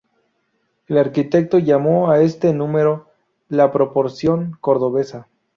El arquitecto llamó a este número la proporción cordobesa